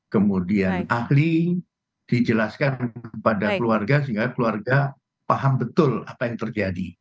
kemudian ahli dijelaskan kepada keluarga sehingga keluarga paham betul apa yang terjadi